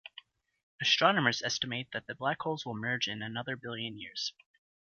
Astronomers estimate that the black holes will merge in another billion years.